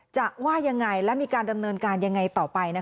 ว่ายังไงและมีการดำเนินการยังไงต่อไป